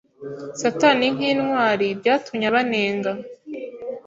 Satani nkintwari byatumye abanenga